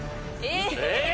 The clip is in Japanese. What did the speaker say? えっ！？